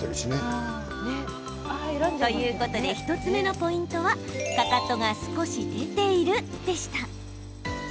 ということで１つ目のポイントはかかとが少し出ているでした。